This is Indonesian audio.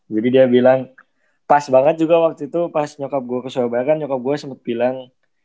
jadi dia bilang pas banget juga waktu itu pas nyokap gue ke surabaya kan nyokap gue sempet bilang